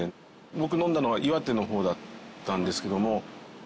僕飲んだのは岩手の方だったんですけども。